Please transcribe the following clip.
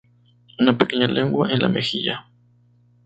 Una pequeña lengua en la mejilla.